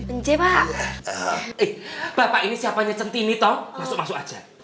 bapak ini siapanya centini tau